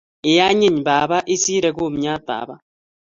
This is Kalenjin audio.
Ii anyiny baba isire kumyat baba.